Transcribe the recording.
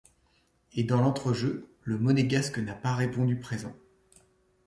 Et dans l’entrejeu, le Monégasque n’a pas répondu présent.